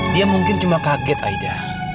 dia mungkin cuma kaget aja